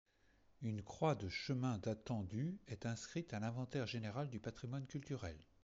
Une croix de chemin datant du est inscrite à l'Inventaire général du patrimoine culturel.